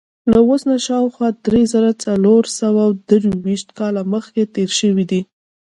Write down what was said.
له اوس نه شاوخوا درې زره څلور سوه درویشت کاله مخکې تېر شوی دی.